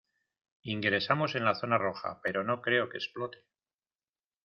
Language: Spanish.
ingresamos en la zona roja, pero no creo que explote.